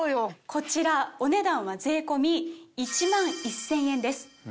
こちらお値段は税込み１万１０００円です。